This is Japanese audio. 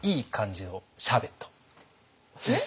えっ？